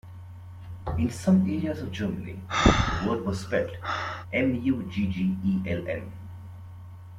In some areas of Germany, the word was spelled muggeln.